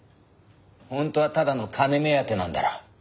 本当はただの金目当てなんだろ？